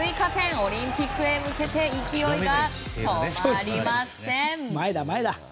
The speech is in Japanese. オリンピックへ向けて勢いが止まりません。